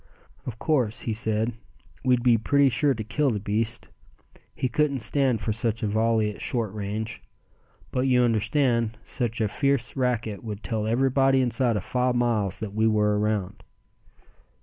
"Of course," he said, "we'd be pretty sure to kill the beast. He couldn't stand for such a volley at short range. But you understand, such a fierce racket would tell everybody inside of five miles that we were around."